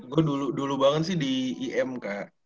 gue dulu banget sih di im kak